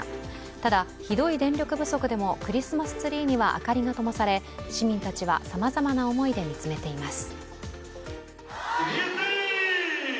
ただ、ひどい電力不足でもクリスマスツリーには明かりが灯され、市民たちはさまざまな思いで見つめています。